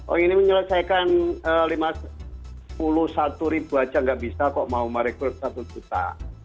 oh ini menyelesaikan lima puluh satu ribu aja nggak bisa kok mau merekrut satu juta